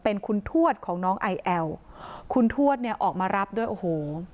เป็นคุณทวดของน้องไอแอลคุณทวดเนี่ยออกมารับด้วยโอ้โห